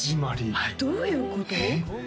はいどういうこと？